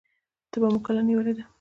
تبه مو کله نیولې ده؟